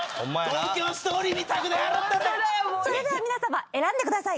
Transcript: それでは皆さま選んでください。